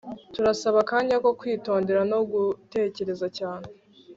Turasaba akanya ko kwitondera no gutekereza cyane